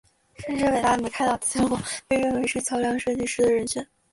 甚至伟大的米开朗基罗被认为是桥梁设计师的人选。